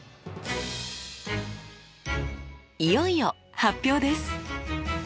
いよいよ発表です。